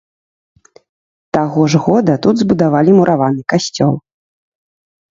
Таго ж года тут збудавалі мураваны касцёл.